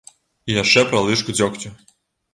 І яшчэ пра лыжку дзёгцю.